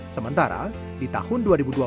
sementara di tahun dua ribu dua puluh